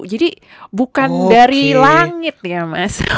jadi bukan dari langit ya mas